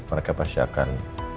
mereka pasti akan